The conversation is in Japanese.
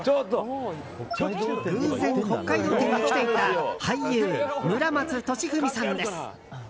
偶然、北海道展に来ていた俳優・村松利史さんです。